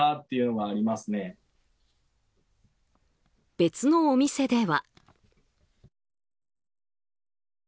別のお店では。